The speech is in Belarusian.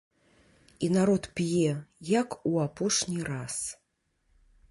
І народ п'е, як у апошні раз.